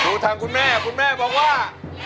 ทางคุณแม่คุณแม่บอกว่า